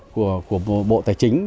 của bộ tài chính